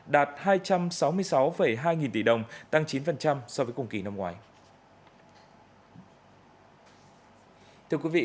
đạt hai trăm sáu mươi sáu hai nghìn tỷ đồng tăng chín so với cùng kỳ năm ngoái